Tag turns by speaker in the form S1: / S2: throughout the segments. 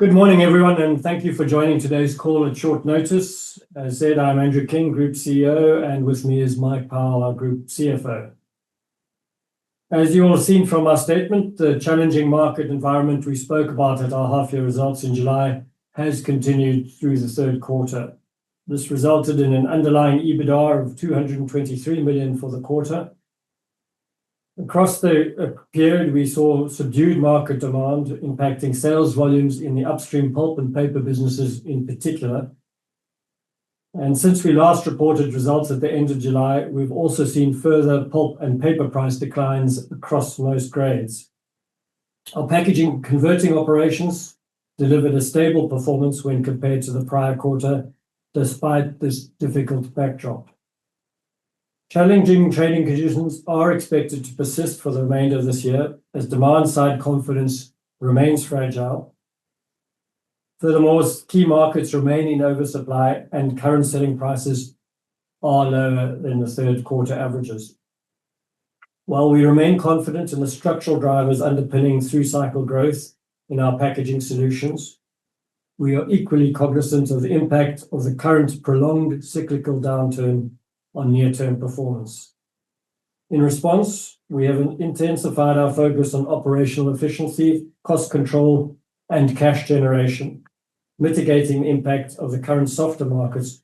S1: Good morning, everyone, and thank you for joining today's call at short notice. As said, I'm Andrew King, Group CEO, and with me is Mike Powell, our Group CFO. As you all have seen from our statement, the challenging market environment we spoke about at our half-year results in July has continued through the third quarter. This resulted in an underlying EBITDA of 223 million for the quarter. Across the period, we saw subdued market demand impacting sales volumes in the upstream pulp and paper businesses in particular. And since we last reported results at the end of July, we've also seen further pulp and paper price declines across most grades. Our packaging converting operations delivered a stable performance when compared to the prior quarter, despite this difficult backdrop. Challenging trading conditions are expected to persist for the remainder of this year as demand-side confidence remains fragile. Furthermore, key markets remain in oversupply, and current selling prices are lower than the third-quarter averages. While we remain confident in the structural drivers underpinning through-cycle growth in our packaging solutions, we are equally cognizant of the impact of the current prolonged cyclical downturn on near-term performance. In response, we have intensified our focus on operational efficiency, cost control, and cash generation, mitigating the impact of the current softer markets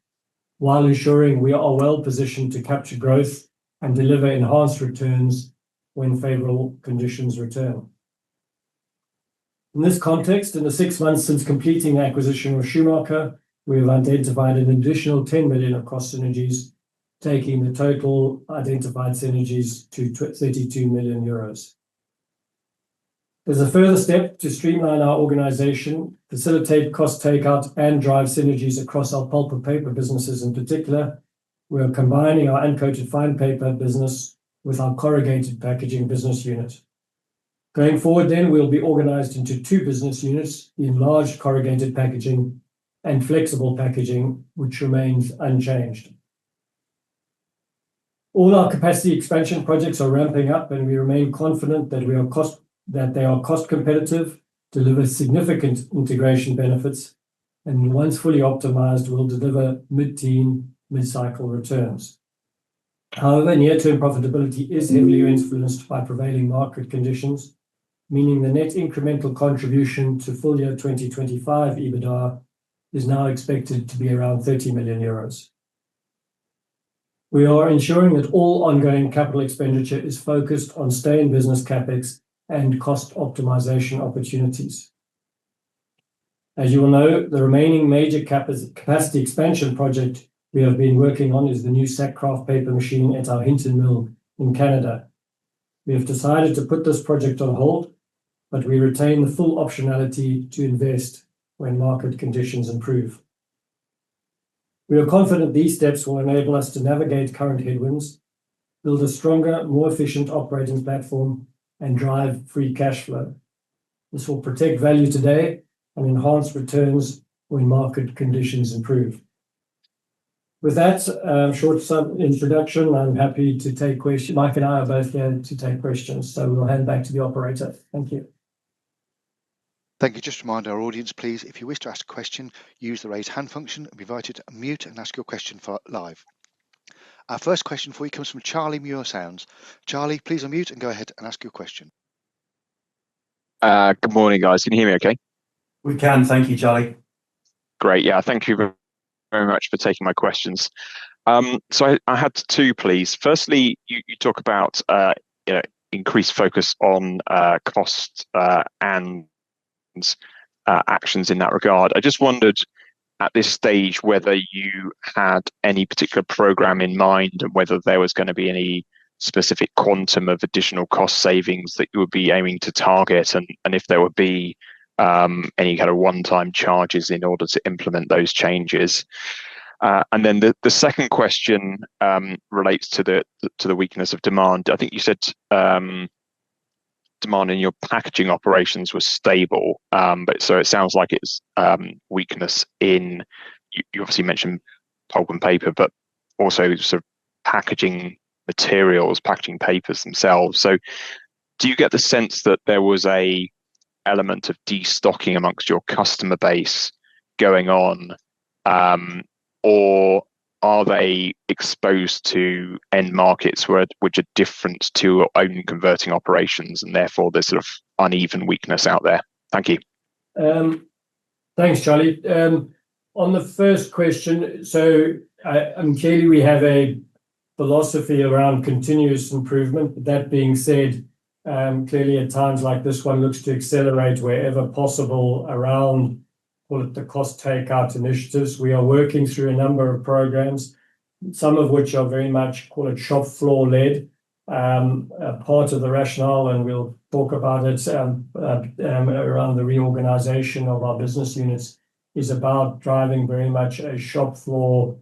S1: while ensuring we are well-positioned to capture growth and deliver enhanced returns when favorable conditions return. In this context, in the six months since completing the acquisition of Schumacher, we have identified an additional 10 million across synergies, taking the total identified synergies to 32 million euros. As a further step to streamline our organization, facilitate cost takeout, and drive synergies across our pulp and paper businesses in particular, we are combining our uncoated fine paper business with our corrugated packaging business unit. Going forward, then, we'll be organized into two business units: the enlarged corrugated packaging and flexible packaging, which remains unchanged. All our capacity expansion projects are ramping up, and we remain confident that they are cost-competitive, deliver significant integration benefits, and once fully optimized, will deliver mid-teen, mid-cycle returns. However, near-term profitability is heavily influenced by prevailing market conditions, meaning the net incremental contribution to full-year 2025 EBITDA is now expected to be around 30 million euros. We are ensuring that all ongoing capital expenditure is focused on stay-in-business CapEx and cost optimization opportunities. As you will know, the remaining major capacity expansion project we have been working on is the new Sack Kraft Paper Machine at our Hinton Mill in Canada. We have decided to put this project on hold, but we retain the full optionality to invest when market conditions improve. We are confident these steps will enable us to navigate current headwinds, build a stronger, more efficient operating platform, and drive free cash flow. This will protect value today and enhance returns when market conditions improve. With that short introduction, I'm happy to take questions. Mike and I are both here to take questions, so we'll hand back to the operator. Thank you.
S2: Thank you. Just a reminder, our audience, please, if you wish to ask a question, use the raise hand function, invite it, unmute, and ask your question for live. Our first question for you comes from Charlie Muir-Sands. Charlie, please unmute and go ahead and ask your question.
S3: Good morning, guys. Can you hear me okay?
S1: We can. Thank you, Charlie.
S3: Great. Yeah, thank you very much for taking my questions, so I had two, please. Firstly, you talk about increased focus on cost and actions in that regard. I just wondered at this stage whether you had any particular program in mind and whether there was going to be any specific quantum of additional cost savings that you would be aiming to target and if there would be any kind of one-time charges in order to implement those changes, and then the second question relates to the weakness of demand. I think you said demand in your packaging operations was stable, so it sounds like it's weakness in, you obviously mentioned pulp and paper, but also sort of packaging materials, packaging papers themselves. So do you get the sense that there was an element of destocking amongst your customer base going on, or are they exposed to end markets which are different to your own converting operations and therefore there's sort of uneven weakness out there? Thank you.
S1: Thanks, Charlie. On the first question, so clearly we have a philosophy around continuous improvement. That being said, clearly at times like this one looks to accelerate wherever possible around, call it the cost takeout initiatives. We are working through a number of programs, some of which are very much, call it shop floor-led. Part of the rationale, and we'll talk about it around the reorganization of our business units, is about driving very much a shop floor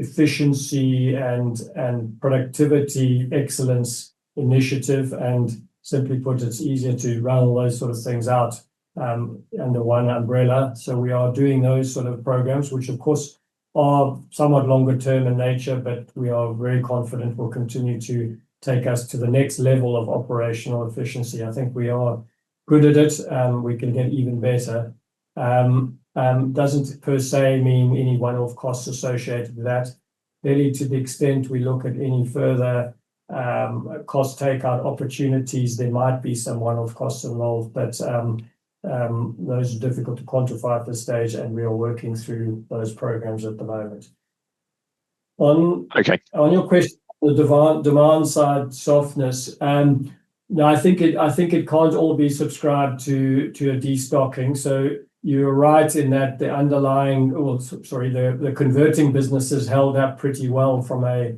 S1: efficiency and productivity excellence initiative, and simply put, it's easier to run those sort of things out under one umbrella, so we are doing those sort of programs, which of course are somewhat longer term in nature, but we are very confident will continue to take us to the next level of operational efficiency. I think we are good at it, and we can get even better. It doesn't per se mean any one-off costs associated with that. Clearly, to the extent we look at any further cost takeout opportunities, there might be some one-off costs involved, but those are difficult to quantify at this stage, and we are working through those programs at the moment. On your question on the demand side softness, I think it can't all be ascribed to destocking. So you're right in that the converting business has held up pretty well from a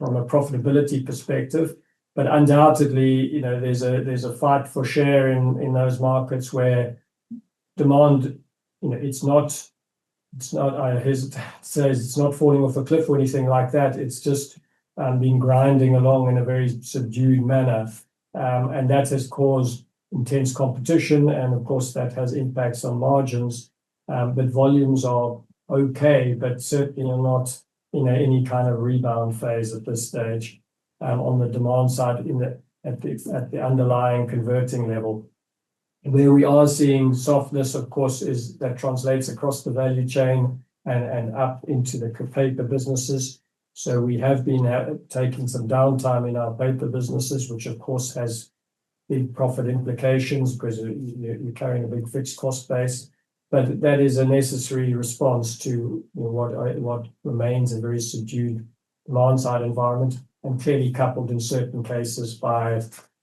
S1: profitability perspective. But undoubtedly, there's a fight for share in those markets where demand, it's not, as I say, it's not falling off a cliff or anything like that. It's just been grinding along in a very subdued manner. And that has caused intense competition, and of course, that has impacts on margins. But volumes are okay, but certainly not in any kind of rebound phase at this stage on the demand side at the underlying converting level. Where we are seeing softness, of course, is that translates across the value chain and up into the paper businesses. So we have been taking some downtime in our paper businesses, which of course has big profit implications because you're carrying a big fixed cost base. But that is a necessary response to what remains a very subdued demand-side environment and clearly coupled in certain cases by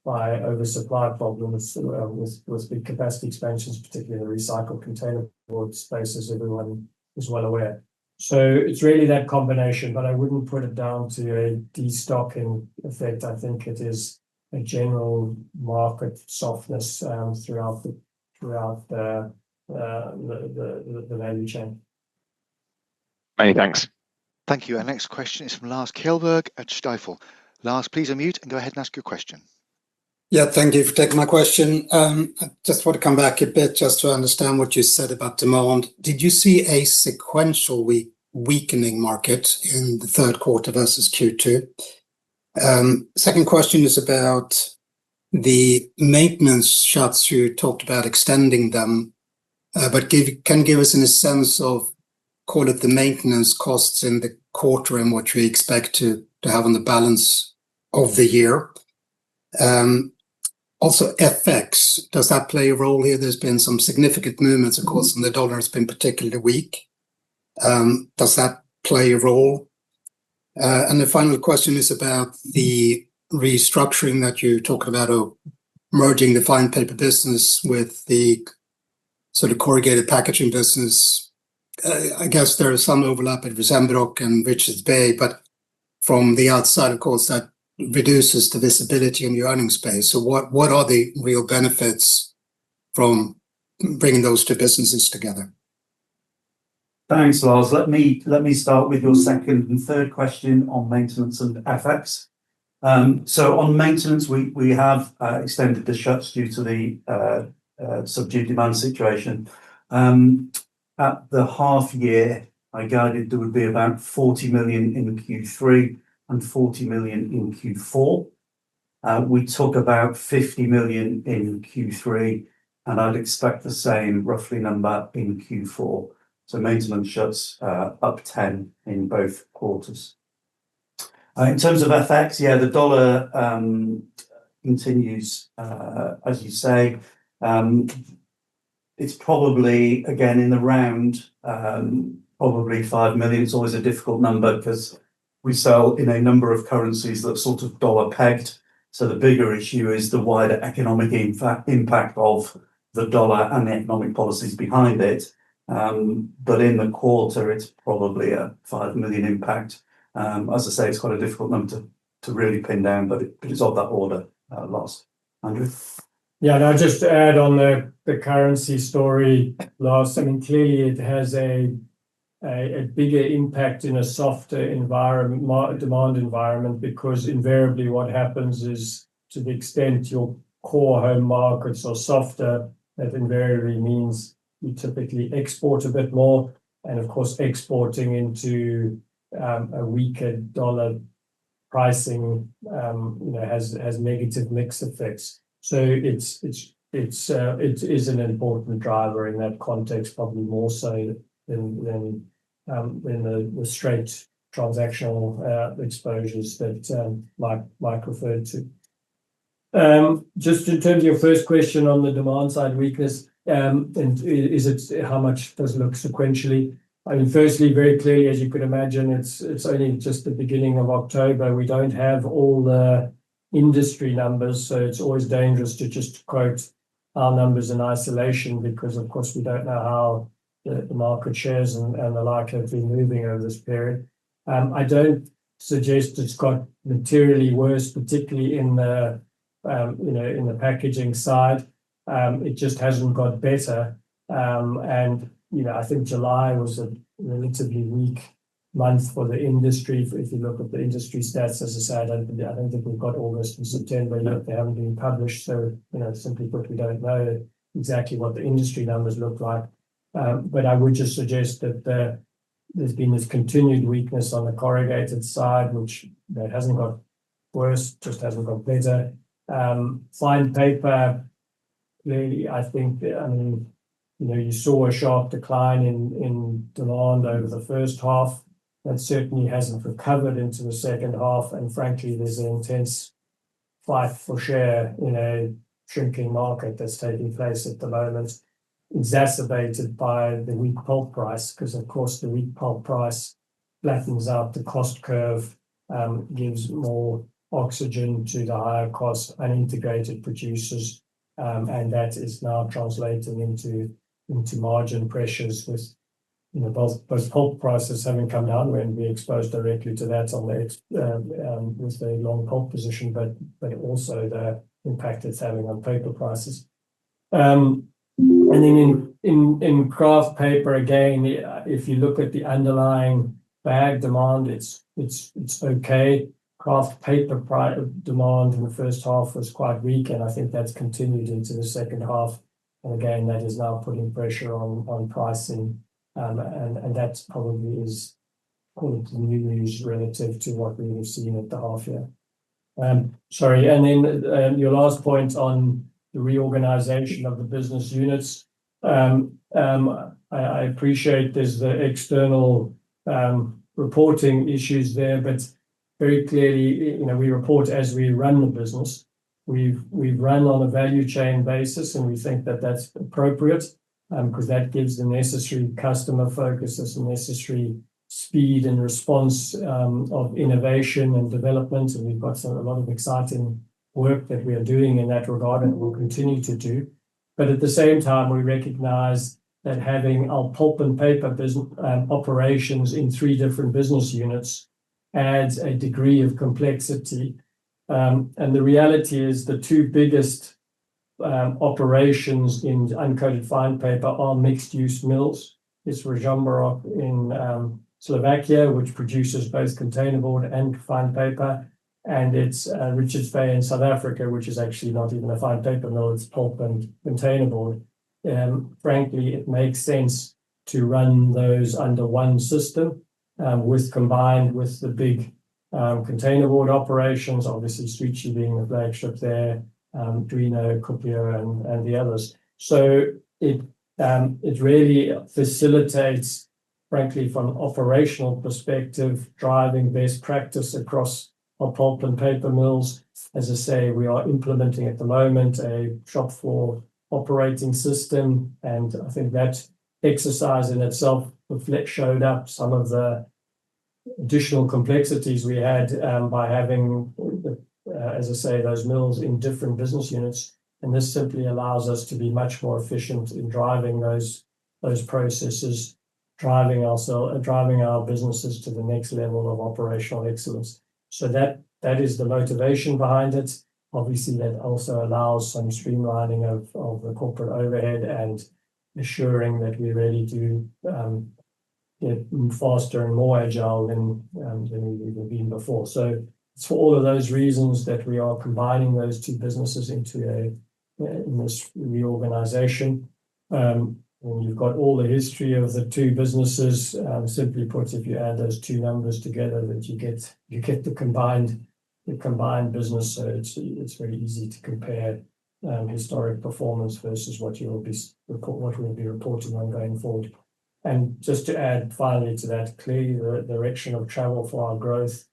S1: oversupply problems with big capacity expansions, particularly the recycled container space, as everyone is well aware. So it's really that combination, but I wouldn't put it down to a destocking effect. I think it is a general market softness throughout the value chain.
S2: Thank you. Our next question is from Lars Kjellberg at Stifel. Lars, please unmute and go ahead and ask your question.
S4: Yeah, thank you for taking my question. I just want to come back a bit just to understand what you said about demand. Did you see a sequential weakening market in the third quarter versus Q2? Second question is about the maintenance shuts you talked about extending them, but can you give us a sense of, call it the maintenance costs in the quarter and what you expect to have on the balance of the year? Also, FX, does that play a role here? There's been some significant movements, of course, and the dollar has been particularly weak. Does that play a role? And the final question is about the restructuring that you're talking about of merging the fine paper business with the sort of corrugated packaging business. I guess there is some overlap at Ružomberok and Richards Bay, but from the outside, of course, that reduces the visibility in your earnings space. So what are the real benefits from bringing those two businesses together?
S5: Thanks, Lars. Let me start with your second and third question on maintenance and FX. So on maintenance, we have extended the shuts due to the subdued demand situation. At the half-year, I guided there would be about 40 million in Q3 and 40 million in Q4. We took about 50 million in Q3, and I'd expect the same roughly number in Q4. So maintenance shuts up 10 in both quarters. In terms of FX, yeah, the dollar continues, as you say. It's probably, again, in the round, probably 5 million. It's always a difficult number because we sell in a number of currencies that are sort of dollar-pegged. So the bigger issue is the wider economic impact of the dollar and the economic policies behind it. But in the quarter, it's probably a 5 million impact. As I say, it's quite a difficult number to really pin down, but it's of that order, Lars.
S1: Yeah, and I'll just add on the currency story, Lars. I mean, clearly it has a bigger impact in a softer demand environment because invariably what happens is to the extent your core home markets are softer, that invariably means you typically export a bit more. And of course, exporting into a weaker dollar pricing has negative mix effects. So it is an important driver in that context, probably more so than the straight transactional exposures that Mike referred to.
S5: Just in terms of your first question on the demand-side weakness, how much does it look sequentially? I mean, firstly, very clearly, as you could imagine, it's only just the beginning of October. We don't have all the industry numbers, so it's always dangerous to just quote our numbers in isolation because, of course, we don't know how the market shares and the like have been moving over this period. I don't suggest it's got materially worse, particularly in the packaging side. It just hasn't got better, and I think July was a relatively weak month for the industry. If you look at the industry stats, as I said, I don't think we've got August and September yet. They haven't been published, so simply put, we don't know exactly what the industry numbers look like, but I would just suggest that there's been this continued weakness on the corrugated side, which hasn't got worse, just hasn't got better. Fine paper, clearly, I think you saw a sharp decline in demand over the first half. That certainly hasn't recovered into the second half. And frankly, there's an intense fight for share in a shrinking market that's taking place at the moment, exacerbated by the weak pulp price because, of course, the weak pulp price flattens out the cost curve, gives more oxygen to the higher cost unintegrated producers. And that is now translating into margin pressures with both pulp prices having come down. We're going to be exposed directly to that with the long pulp position, but also the impact it's having on paper prices.
S1: And then in Kraft paper, again, if you look at the underlying bag demand, it's okay. Kraft paper demand in the first half was quite weak, and I think that's continued into the second half. And again, that is now putting pressure on pricing. And that probably is, call it the new news relative to what we've seen at the half-year. Sorry. And then your last point on the reorganization of the business units, I appreciate there's the external reporting issues there, but very clearly, we report as we run the business. We've run on a value chain basis, and we think that that's appropriate because that gives the necessary customer focus, the necessary speed and response of innovation and development. And we've got a lot of exciting work that we are doing in that regard and will continue to do. But at the same time, we recognize that having our pulp and paper operations in three different business units adds a degree of complexity. And the reality is the two biggest operations in uncoated fine paper are mixed-use mills. It's Ružomberok in Slovakia, which produces both containerboard and fine paper. And it's Richards Bay in South Africa, which is actually not even a fine paper mill. It's pulp and containerboard. Frankly, it makes sense to run those under one system combined with the big containerboard operations, obviously Świecie being the flagship there, Duino, Kuopio, and the others. So it really facilitates, frankly, from an operational perspective, driving best practice across our pulp and paper mills. As I say, we are implementing at the moment a shop floor operating system. And I think that exercise in itself showed up some of the additional complexities we had by having, as I say, those mills in different business units. And this simply allows us to be much more efficient in driving those processes, driving our businesses to the next level of operational excellence. So that is the motivation behind it. Obviously, that also allows some streamlining of the corporate overhead and ensuring that we really do get faster and more agile than we've been before. So it's for all of those reasons that we are combining those two businesses in this reorganization. And you've got all the history of the two businesses. Simply put, if you add those two numbers together, you get the combined business. So it's very easy to compare historic performance versus what we'll be reporting on going forward. And just to add finally to that, clearly, the direction of travel for our growth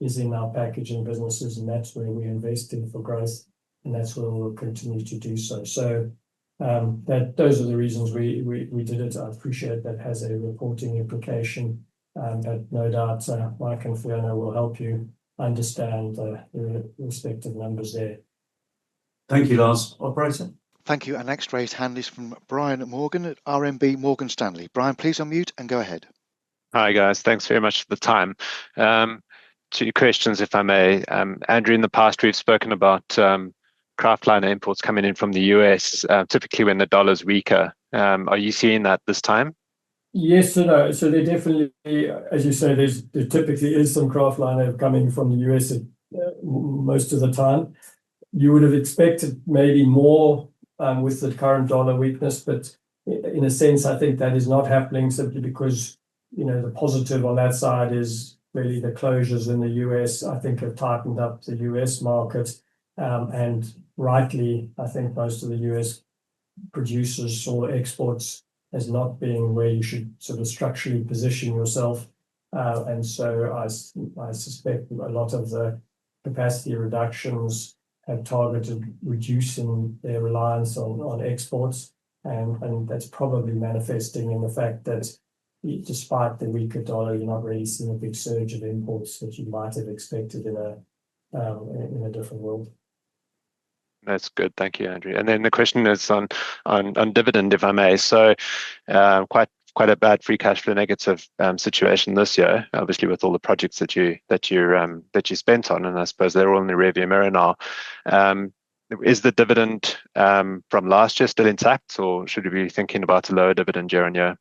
S1: is in our packaging businesses, and that's where we invest in for growth, and that's where we'll continue to do so. So those are the reasons we did it. I appreciate that has a reporting implication, but no doubt Mike and Fiona will help you understand the respective numbers there. Thank you, Lars. Operator.
S3: Thank you. Our next raised hand is from Brian Morgan at RMB Morgan Stanley. Brian, please unmute and go ahead.
S6: Hi guys. Thanks very much for the time. Two questions, if I may. Andrew, in the past, we've spoken about Kraftliner imports coming in from the U.S., typically when the dollar's weaker. Are you seeing that this time?
S1: Yes and no. So there definitely, as you say, there typically is some Kraftliner coming from the U.S. most of the time. You would have expected maybe more with the current dollar weakness, but in a sense, I think that is not happening simply because the positive on that side is really the closures in the U.S. I think it tightened up the U.S. market. And rightly, I think most of the U.S. producers saw exports as not being where you should sort of structurally position yourself. And so I suspect a lot of the capacity reductions have targeted reducing their reliance on exports. And that's probably manifesting in the fact that despite the weaker dollar, you're not really seeing a big surge of imports that you might have expected in a different world.
S6: That's good. Thank you, Andrew. And then the question is on dividend, if I may. So quite a bad free cash flow negative situation this year, obviously with all the projects that you spent on, and I suppose they're all in the rearview mirror now. Is the dividend from last year still intact, or should we be thinking about a lower dividend year on year?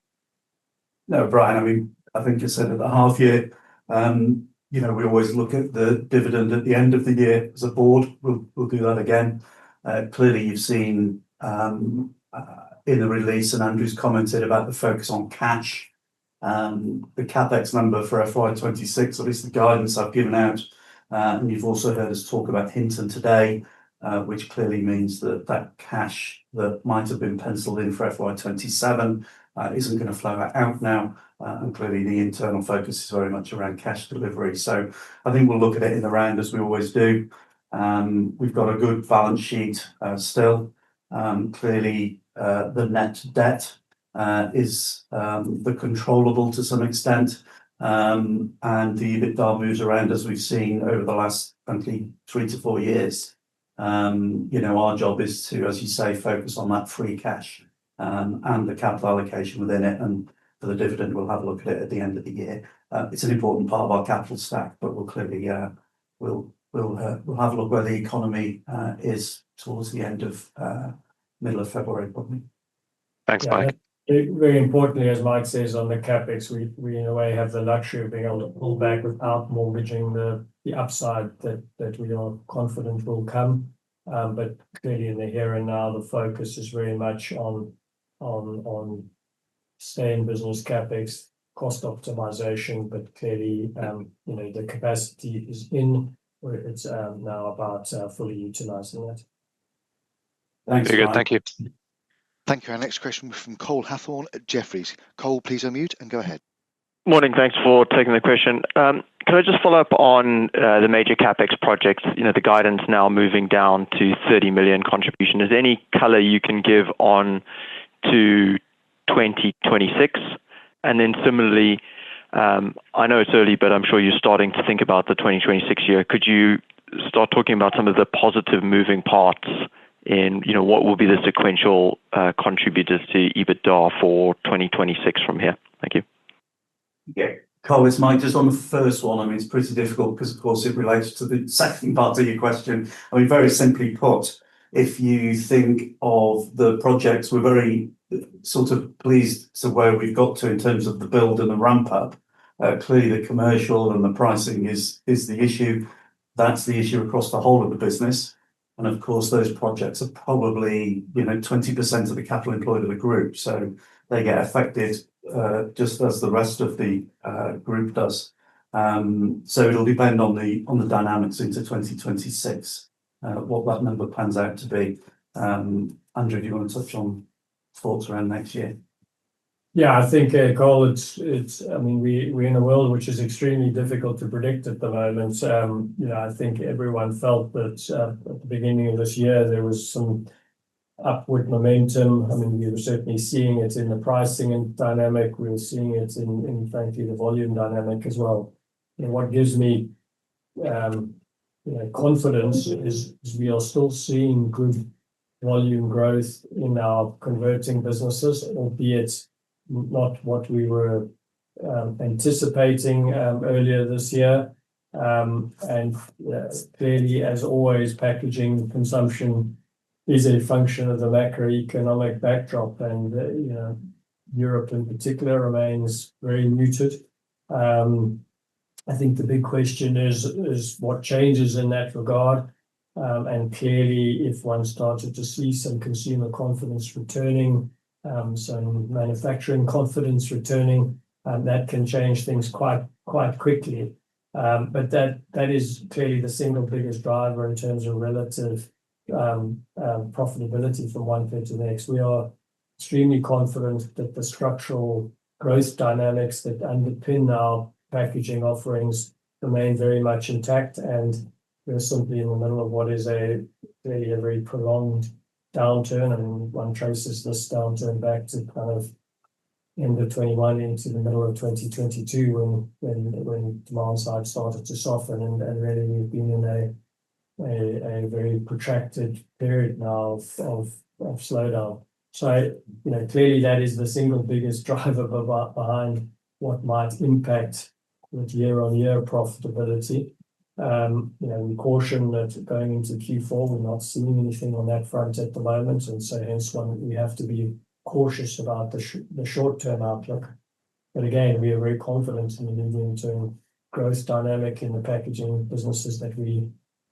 S5: No, Brian, I mean, I think you said at the half-year, we always look at the dividend at the end of the year as a board. We'll do that again. Clearly, you've seen in the release and Andrew's commented about the focus on cash, the CapEx number for FY26, at least the guidance I've given out, and you've also heard us talk about Hinton today, which clearly means that that cash that might have been penciled in for FY27 isn't going to flow out now, and clearly, the internal focus is very much around cash delivery, so I think we'll look at it in the round as we always do. We've got a good balance sheet still. Clearly, the net debt is the controllable to some extent, and the big dollar moves around, as we've seen over the last, frankly, three to four years. Our job is to, as you say, focus on that free cash and the capital allocation within it, and for the dividend, we'll have a look at it at the end of the year. It's an important part of our capital stack, but we'll clearly have a look where the economy is towards the end of middle of February, probably.
S6: Thanks, Mike.
S1: Very importantly, as Mike says on the CapEx, we in a way have the luxury of being able to pull back without mortgaging the upside that we are confident will come. But clearly, in the here and now, the focus is very much on staying in business, CapEx, cost optimization, but clearly, the capacity is in. It's now about fully utilizing it.
S6: Thanks, Andrew.
S1: Very good. Thank you.
S2: Thank you. Our next question from Cole Hathorn at Jefferies. Cole, please unmute and go ahead.
S7: Good morning. Thanks for taking the question. Can I just follow up on the major CapEx projects, the guidance now moving down to 30 million contribution? Is there any color you can give on to 2026? And then similarly, I know it's early, but I'm sure you're starting to think about the 2026 year. Could you start talking about some of the positive moving parts in what will be the sequential contributors to EBITDA for 2026 from here? Thank you.
S5: Yeah. Cole, it's Mike. Just on the first one, I mean, it's pretty difficult because, of course, it relates to the second part of your question. I mean, very simply put, if you think of the projects, we're very sort of pleased to where we've got to in terms of the build and the ramp-up. Clearly, the commercial and the pricing is the issue. That's the issue across the whole of the business. And of course, those projects are probably 20% of the capital employed of the group. So they get affected just as the rest of the group does. So it'll depend on the dynamics into 2026, what that number pans out to be. Andrew, do you want to touch on thoughts around next year?
S1: Yeah. I think, Cole, I mean, we're in a world which is extremely difficult to predict at the moment. I think everyone felt that at the beginning of this year, there was some upward momentum. I mean, we were certainly seeing it in the pricing dynamic. We were seeing it in, frankly, the volume dynamic as well. What gives me confidence is we are still seeing good volume growth in our converting businesses, albeit not what we were anticipating earlier this year. And clearly, as always, packaging consumption is a function of the macroeconomic backdrop. And Europe in particular remains very muted. I think the big question is what changes in that regard. And clearly, if one started to see some consumer confidence returning, some manufacturing confidence returning, that can change things quite quickly. But that is clearly the single biggest driver in terms of relative profitability from one thing to the next. We are extremely confident that the structural growth dynamics that underpin our packaging offerings remain very much intact, and we're simply in the middle of what is a very prolonged downturn. I mean, one traces this downturn back to kind of end of 2021 into the middle of 2022 when demand side started to soften, and really, we've been in a very protracted period now of slowdown, so clearly, that is the single biggest driver behind what might impact the year-on-year profitability. We caution that going into Q4, we're not seeing anything on that front at the moment, and so hence, we have to be cautious about the short-term outlook, but again, we are very confident in the medium-term growth dynamic in the packaging businesses that we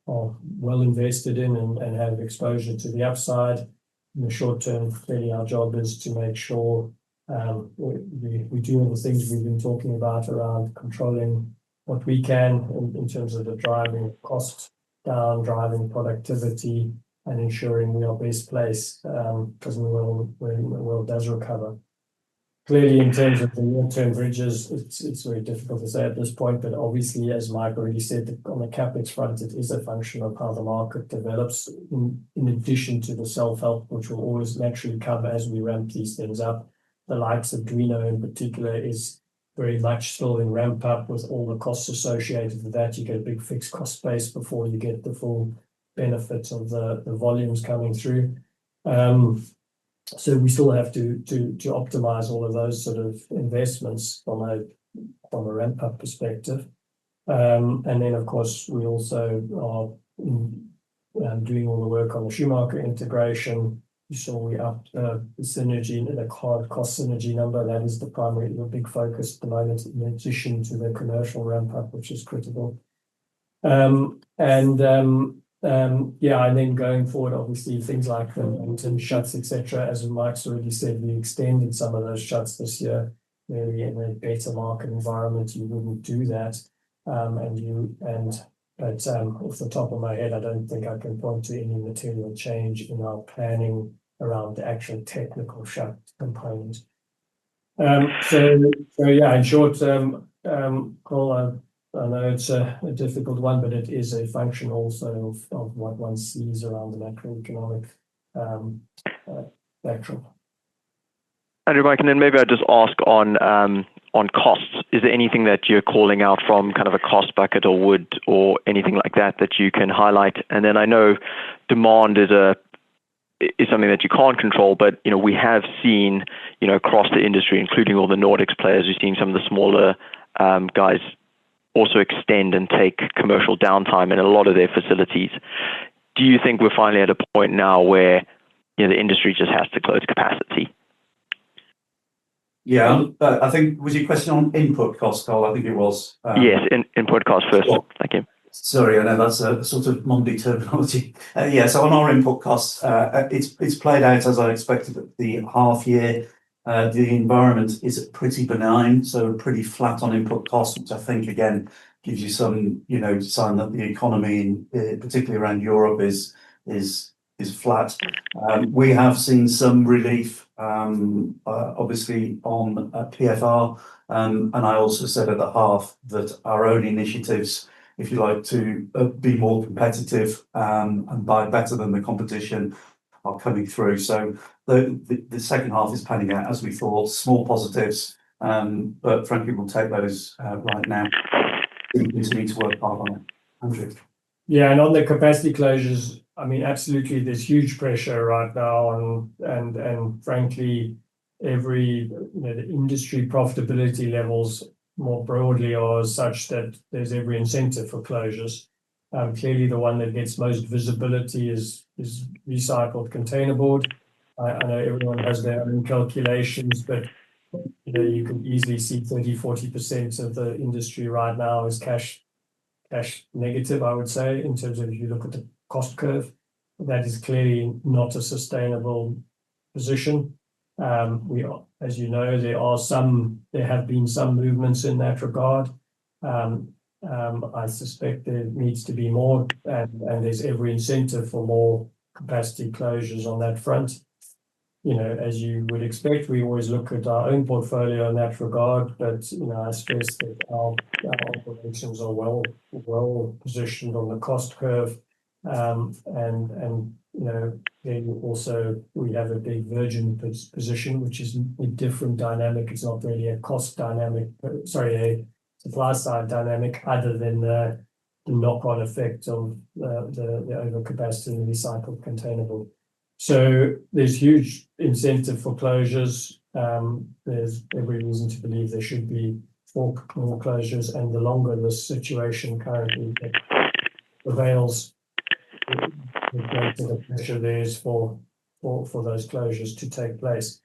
S1: are well invested in and have exposure to the upside. In the short term, clearly, our job is to make sure we do the things we've been talking about around controlling what we can in terms of the driving cost down, driving productivity, and ensuring we are best placed because the world does recover. Clearly, in terms of the long-term bridges, it's very difficult to say at this point. But obviously, as Mike already said, on the CapEx front, it is a function of how the market develops. In addition to the self-help, which will always naturally cover as we ramp these things up, the likes of Duino in particular is very much still in ramp-up with all the costs associated with that. You get a big fixed cost base before you get the full benefits of the volumes coming through. So we still have to optimize all of those sort of investments from a ramp-up perspective. And then, of course, we also are doing all the work on the Schumacher integration. You saw the synergy and the cost synergy number. That is the primary big focus at the moment in addition to the commercial ramp-up, which is critical. And yeah, and then going forward, obviously, things like the long-term shuts, etc. As Mike's already said, we extended some of those shuts this year. Clearly, in a better market environment, you wouldn't do that. And off the top of my head, I don't think I can point to any material change in our planning around the actual technical shut component. So yeah, in short, Cole, I know it's a difficult one, but it is a function also of what one sees around the macroeconomic spectrum.
S7: Andrew, Mike, and then maybe I'll just ask on costs. Is there anything that you're calling out from kind of a cost bucket or wood or anything like that that you can highlight? And then I know demand is something that you can't control, but we have seen across the industry, including all the Nordics players, we've seen some of the smaller guys also extend and take commercial downtime in a lot of their facilities. Do you think we're finally at a point now where the industry just has to close capacity?
S5: Yeah. I think was your question on input costs, Cole? I think it was.
S7: Yes, input costs first. Thank you.
S5: Sorry, I know that's a sort of non-be terminology. Yeah, so on our input costs, it's played out as I expected the half-year. The environment is pretty benign, so pretty flat on input costs, which I think, again, gives you some sign that the economy, particularly around Europe, is flat. We have seen some relief, obviously, on PFR. And I also said at the half that our own initiatives, if you like, to be more competitive and buy better than the competition are coming through. So the second half is panning out as we thought, small positives, but frankly, we'll take those right now. We continue to work hard on it. Andrew.
S1: Yeah. And on the capacity closures, I mean, absolutely, there's huge pressure right now. And frankly, the industry profitability levels more broadly are such that there's every incentive for closures. Clearly, the one that gets most visibility is recycled containerboard. I know everyone has their own calculations, but you can easily see 30%-40% of the industry right now is cash negative, I would say, in terms of if you look at the cost curve. That is clearly not a sustainable position. As you know, there have been some movements in that regard. I suspect there needs to be more, and there's every incentive for more capacity closures on that front. As you would expect, we always look at our own portfolio in that regard, but I suppose that our operations are well positioned on the cost curve. And also we have a big virgin position, which is a different dynamic. It's not really a cost dynamic, sorry, a supply side dynamic other than the knock-on effect of the overcapacity and recycled containerboard. So there's huge incentive for closures. There's every reason to believe there should be more closures. And the longer the situation currently prevails, the greater the pressure there is for those closures to take place.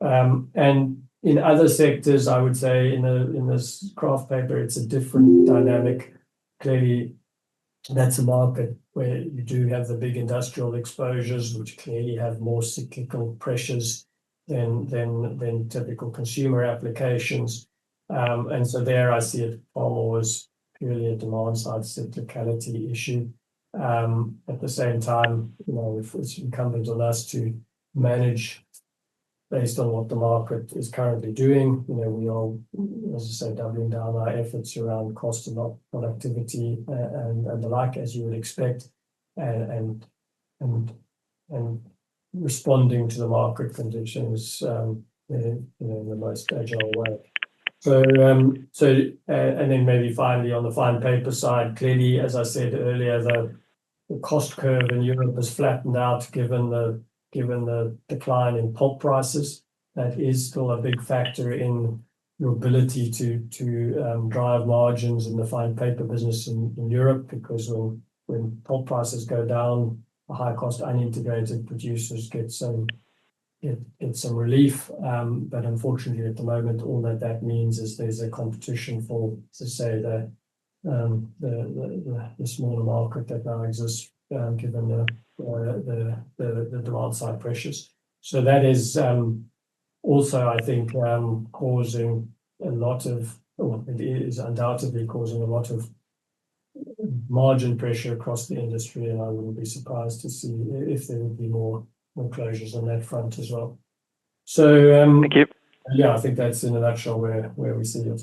S1: And in other sectors, I would say in this Kraft paper, it's a different dynamic. Clearly, that's a market where you do have the big industrial exposures, which clearly have more cyclical pressures than typical consumer applications. And so there I see it almost purely a demand-side cyclicality issue. At the same time, it's incumbent on us to manage based on what the market is currently doing. We are, as I say, doubling down our efforts around cost and productivity and the like, as you would expect, and responding to the market conditions in the most agile way.
S5: And then maybe finally on the fine paper side, clearly, as I said earlier, the cost curve in Europe has flattened out given the decline in pulp prices. That is still a big factor in your ability to drive margins in the fine paper business in Europe because when pulp prices go down, the high-cost unintegrated producers get some relief. But unfortunately, at the moment, all that that means is there's a competition for, as I say, the smaller market that now exists given the demand-side pressures. So that is also, I think, causing a lot of, or it is undoubtedly causing a lot of margin pressure across the industry. And I wouldn't be surprised to see if there would be more closures on that front as well. So yeah, I think that's in a nutshell where we see it.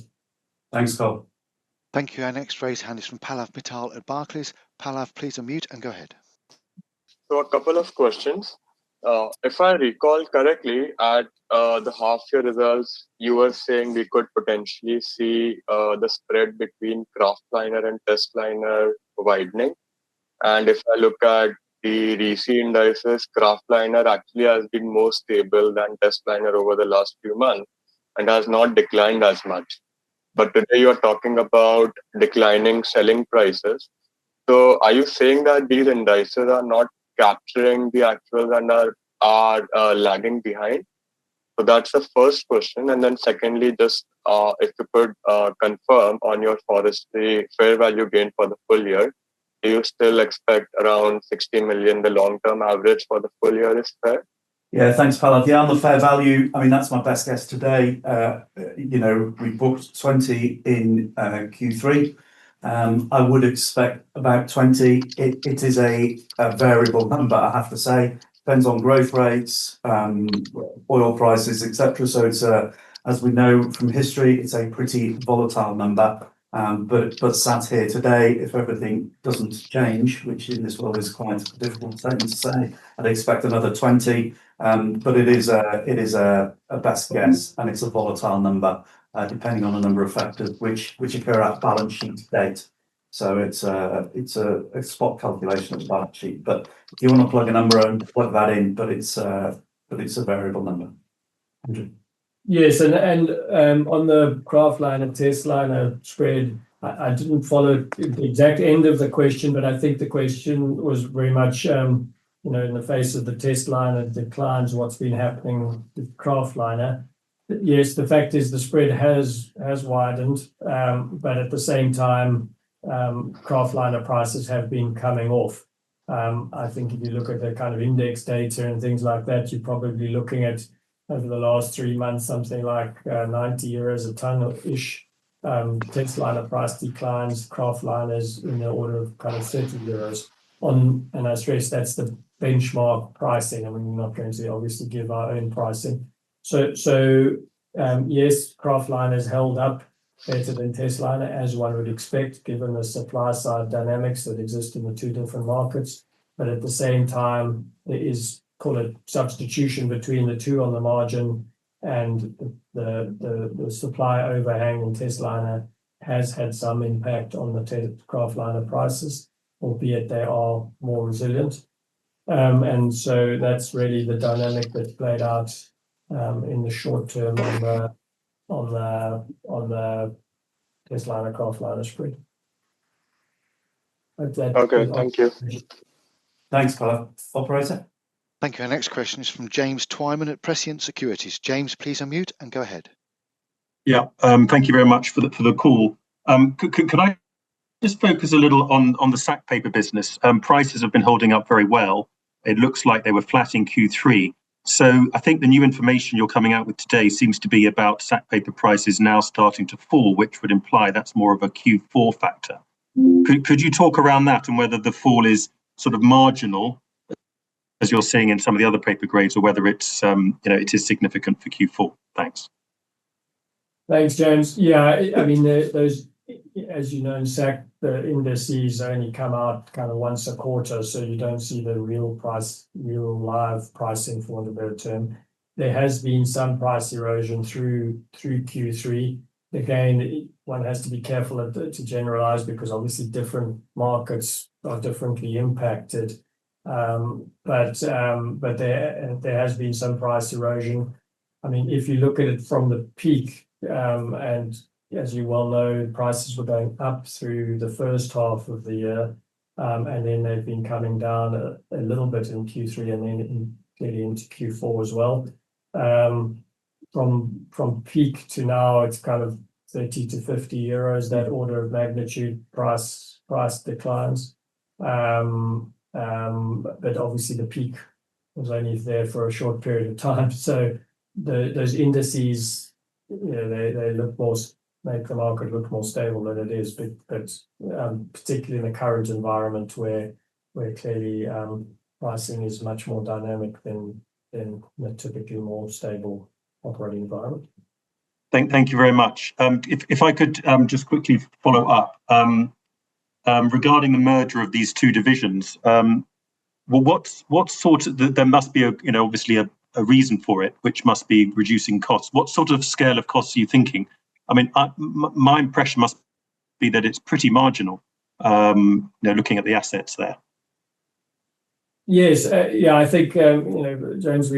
S7: Thanks, All.
S2: Thank you. Our next raised hand is from Palav Mittal at Barclays. Palav, please unmute and go ahead.
S8: So a couple of questions. If I recall correctly, at the half-year results, you were saying we could potentially see the spread between Kraftliner and Testliner widening. And if I look at the recent indices, Kraftliner actually has been more stable than Testliner over the last few months and has not declined as much. But today, you are talking about declining selling prices. So are you saying that these indices are not capturing the actuals and are lagging behind? So that's the first question. And then secondly, just if you could confirm on your forestry fair value gain for the full year, do you still expect around 60 million, the long-term average for the full year is fair?
S5: Yeah, thanks, Palav. Yeah, on the fair value, I mean, that's my best guess today. We booked 20 in Q3. I would expect about 20. It is a variable number, I have to say. Depends on growth rates, oil prices, etc. So as we know from history, it's a pretty volatile number. But sat here today, if everything doesn't change, which in this world is quite a difficult thing to say, I'd expect another 20. But it is a best guess, and it's a volatile number depending on a number of factors which occur at balance sheet date. So it's a spot calculation of the balance sheet. But if you want to plug a number in, plug that in, but it's a variable number. Yeah.
S1: And on the Kraftliner, Testliner spread, I didn't follow the exact end of the question, but I think the question was very much in the face of the Testliner declines, what's been happening with Kraftliner. Yes, the fact is the spread has widened, but at the same time, Kraftliner prices have been coming off. I think if you look at the kind of index data and things like that, you're probably looking at over the last three months, something like 90 euros a tonne-ish. Testliner price declines, Kraftliner's in the order of kind of 30 euros. And I stress that's the benchmark pricing. I mean, we're not going to obviously give our own pricing. So yes, Kraftliner's held up better than Testliner, as one would expect, given the supply-side dynamics that exist in the two different markets. But at the same time, there is, call it, substitution between the two on the margin. And the supply overhang in Testliner has had some impact on the Kraftliner prices, albeit they are more resilient. And so that's really the dynamic that's played out in the short term on the Testliner-Kraftliner spread.
S8: Okay, thank you.
S1: Thanks, Palav. Operator.
S2: Thank you. Our next question is from James Twyman at Prescient Securities. James, please unmute and go ahead.
S9: Yeah, thank you very much for the call. Can I just focus a little on the sack paper business? Prices have been holding up very well. It looks like they were flat in Q3. So I think the new information you're coming out with today seems to be about sack paper prices now starting to fall, which would imply that's more of a Q4 factor. Could you talk around that and whether the fall is sort of marginal, as you're seeing in some of the other paper grades, or whether it is significant for Q4? Thanks.
S5: Thanks, James. Yeah, I mean, as you know, in sack, the indices only come out kind of once a quarter, so you don't see the real live pricing for the latter term. There has been some price erosion through Q3. Again, one has to be careful to generalize because obviously different markets are differently impacted. But there has been some price erosion. I mean, if you look at it from the peak, and as you well know, prices were going up through the first half of the year, and then they've been coming down a little bit in Q3 and then clearly into Q4 as well. From peak to now, it's kind of 30-50 euros, that order of magnitude price declines. But obviously, the peak was only there for a short period of time. Those indices, they make the market look more stable than it is, particularly in the current environment where clearly pricing is much more dynamic than a typically more stable operating environment.
S9: Thank you very much. If I could just quickly follow up regarding the merger of these two divisions, there must be obviously a reason for it, which must be reducing costs. What sort of scale of costs are you thinking? I mean, my impression must be that it's pretty marginal looking at the assets there.
S1: Yes. Yeah, I think, James,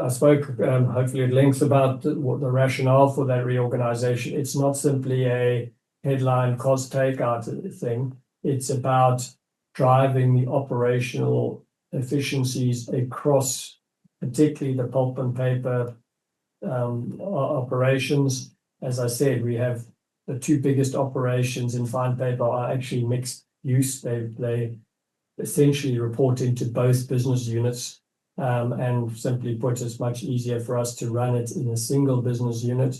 S1: I spoke hopefully at length about the rationale for that reorganization. It's not simply a headline cost takeout thing. It's about driving the operational efficiencies across particularly the pulp and paper operations. As I said, we have the two biggest operations in fine paper are actually mixed use. They essentially report into both business units and simply put, it's much easier for us to run it in a single business unit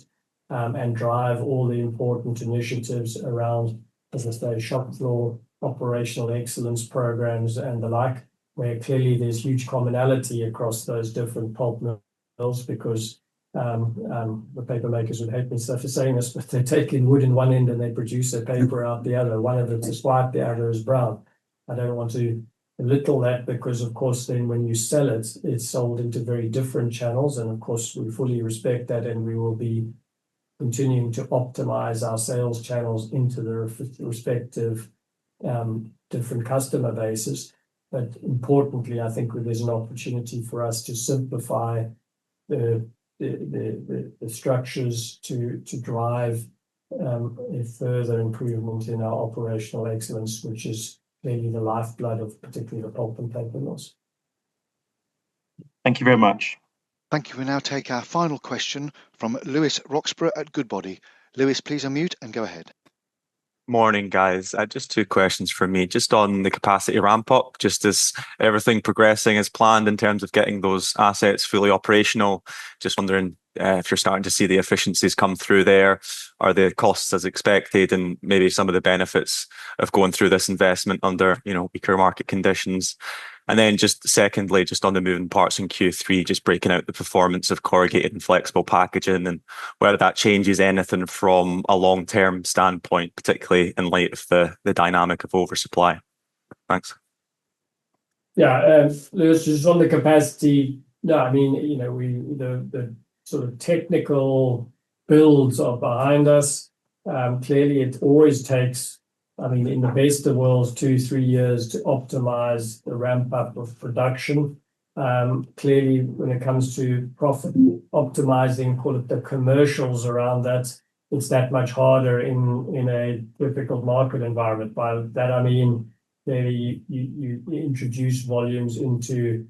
S1: and drive all the important initiatives around, as I say, shop floor, operational excellence programs, and the like, where clearly there's huge commonality across those different pulp mills because the paper makers would hate me for saying this, but they're taking wood in one end and they produce their paper out the other. One of them is white, the other is brown. I don't want to belittle that because, of course, then when you sell it, it's sold into very different channels. And of course, we fully respect that, and we will be continuing to optimize our sales channels into the respective different customer bases. But importantly, I think there's an opportunity for us to simplify the structures to drive a further improvement in our operational excellence, which is clearly the lifeblood of particularly the pulp and paper mills.
S9: Thank you very much.
S2: Thank you. We now take our final question from Lewis Roxburgh at Goodbody. Louis, please unmute and go ahead.
S10: Morning, guys. Just two questions for me. Just on the capacity ramp-up, just as everything progressing as planned in terms of getting those assets fully operational, just wondering if you're starting to see the efficiencies come through there, are the costs as expected, and maybe some of the benefits of going through this investment under weaker market conditions? And then just secondly, just on the moving parts in Q3, just breaking out the performance of corrugated and flexible packaging and whether that changes anything from a long-term standpoint, particularly in light of the dynamic of oversupply? Thanks.
S1: Yeah, Lewis, just on the capacity, I mean, the sort of technical builds are behind us. Clearly, it always takes, I mean, in the best of worlds, two, three years to optimize the ramp-up of production. Clearly, when it comes to profit optimizing, call it the commercials around that, it's that much harder in a difficult market environment. By that, I mean, maybe you introduce volumes into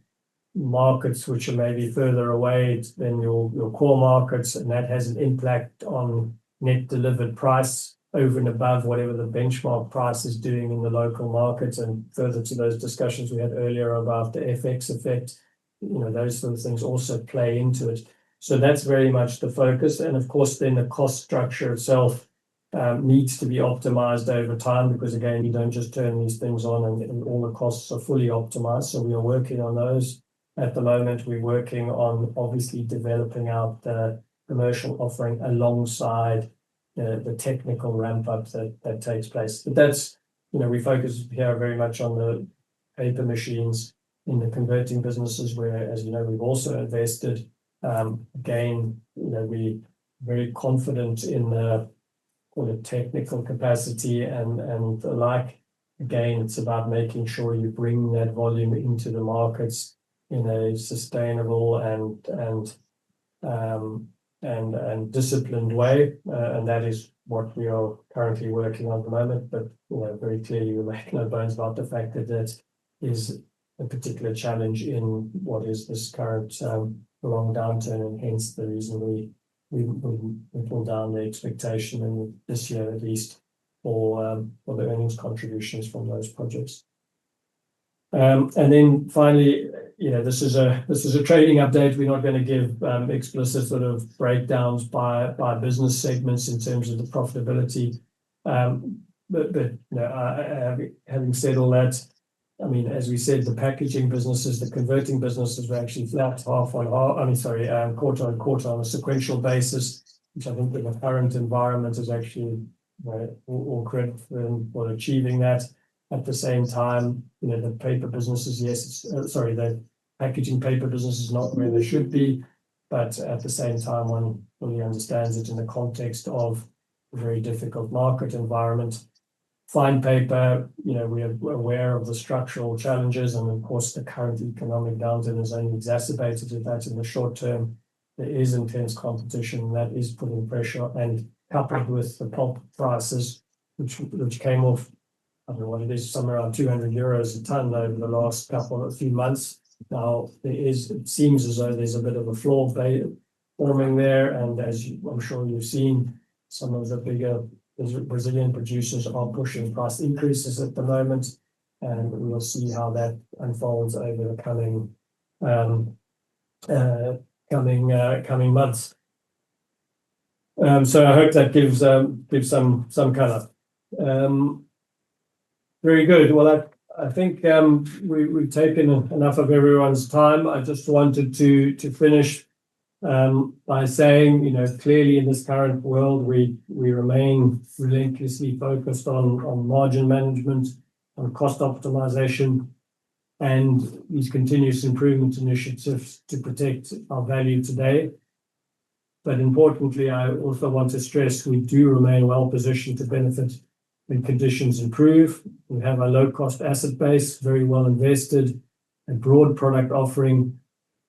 S1: markets which are maybe further away than your core markets, and that has an impact on net delivered price over and above whatever the benchmark price is doing in the local markets. And further to those discussions we had earlier about the FX effect, those sort of things also play into it. So that's very much the focus. And of course, then the cost structure itself needs to be optimized over time because, again, you don't just turn these things on and all the costs are fully optimized. So we are working on those. At the moment, we're working on obviously developing out the commercial offering alongside the technical ramp-up that takes place. But we focus here very much on the paper machines in the converting businesses where, as you know, we've also invested. Again, we're very confident in the technical capacity and the like. Again, it's about making sure you bring that volume into the markets in a sustainable and disciplined way. And that is what we are currently working on at the moment. But very clearly, we're making no bones about the fact that that is a particular challenge in what is this current long downturn and hence the reason we pull down the expectation this year, at least for the earnings contributions from those projects. And then finally, this is a trading update. We're not going to give explicit sort of breakdowns by business segments in terms of the profitability. But having said all that, I mean, as we said, the packaging businesses, the converting businesses are actually flat half on, I mean, sorry, quarter on quarter on a sequential basis, which I think in the current environment is actually awkward for achieving that. At the same time, the paper businesses, yes, sorry, the packaging paper business is not where they should be. But at the same time, one fully understands it in the context of a very difficult market environment. Fine paper, we are aware of the structural challenges. And of course, the current economic downturn has only exacerbated that in the short term. There is intense competition that is putting pressure. And coupled with the pulp prices, which came off, I don't know what it is, somewhere around 200 euros a tonne over the last couple of few months. Now, it seems as though there's a bit of a floor forming there. And as I'm sure you've seen, some of the bigger Brazilian producers are pushing price increases at the moment. And we'll see how that unfolds over the coming months. So I hope that gives some color.
S5: Very good. Well, I think we've taken enough of everyone's time. I just wanted to finish by saying clearly in this current world, we remain relentlessly focused on margin management, on cost optimization, and these continuous improvement initiatives to protect our value today. But importantly, I also want to stress we do remain well positioned to benefit when conditions improve. We have a low-cost asset base, very well invested, a broad product offering,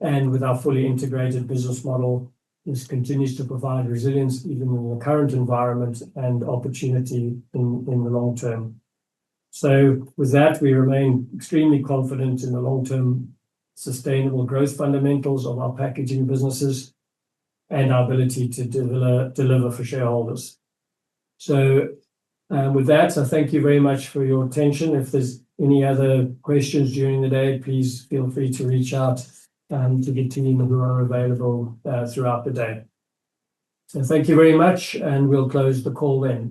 S5: and with our fully integrated business model, this continues to provide resilience even in the current environment and opportunity in the long term. So with that, we remain extremely confident in the long-term sustainable growth fundamentals of our packaging businesses and our ability to deliver for shareholders. So with that, I thank you very much for your attention. If there's any other questions during the day, please feel free to reach out to the team who are available throughout the day. Thank you very much, and we'll close the call then.